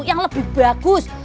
yang lebih bagus